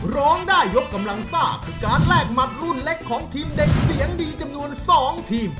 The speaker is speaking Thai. ร้องได้ยกกำลังซ่าคือการแลกหมัดรุ่นเล็กของทีมเด็กเสียงดีจำนวน๒ทีม